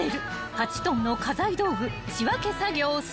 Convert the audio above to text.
［８ｔの家財道具仕分け作業スタート］